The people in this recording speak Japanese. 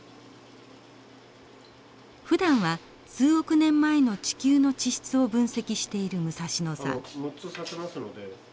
ふだんは数億年前の地球の地質を分析している武蔵野さん。